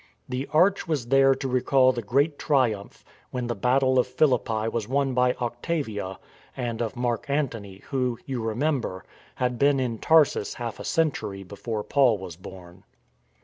The arch was there to recall the great triumph when the battle of Philippi was won by Octavia, and of Mark Antony who, you remember, had been in Tarsus half a century before Paul was born.